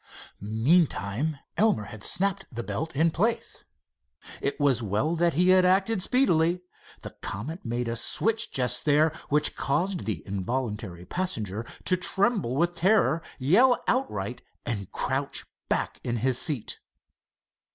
Meantime Elmer had snapped the belt in place. It was well that he had acted speedily. The Comet made a switch just there which caused the involuntary passenger to tremble with terror, yell outright, and crouch back in his seat.